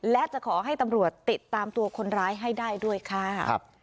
และจะขอให้ตำรวจติดตามตัวคนร้ายให้ได้ด้วยค่ะ